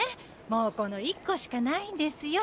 もうこの１個しかないんですよ。